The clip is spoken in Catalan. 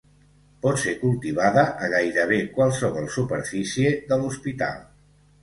Pot ser cultivada a gairebé qualsevol superfície de l'hospital.